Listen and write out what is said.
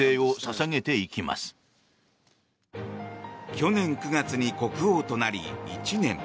去年９月に国王となり、１年。